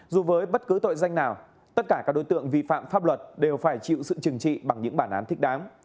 dù với bất cứ tội danh nào tất cả các đối tượng vi phạm pháp luật đều phải chịu sự trừng trị bằng những bản án thích đáng